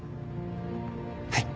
はい。